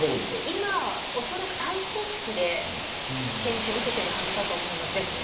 今は、おそらく体操服で健診を受けているはずだと思います。